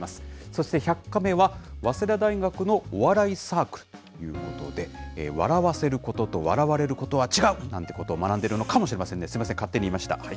そして１００カメは、早稲田大学のお笑いサークルということで、笑わせることと笑われることは違うなんてことを学んでいるのかもしれませんね、すみません、勝手に言いました。